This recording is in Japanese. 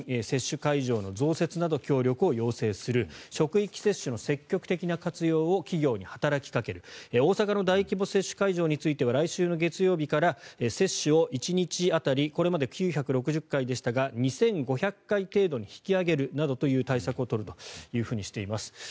接種会場の増設など協力を要請する職域接種の積極的な活用を企業に働きかける大阪の大規模接種会場については来週月曜日から接種を１日当たりこれまで９６０回でしたが２５００回程度に引き上げるなどという対策を取るとしています。